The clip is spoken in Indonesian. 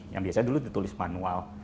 yang biasa dulu ditulis manual